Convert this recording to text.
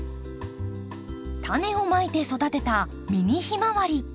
タネをまいて育てたミニヒマワリ。